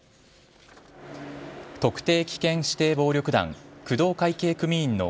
特定危険指定暴力団、工藤会系組員の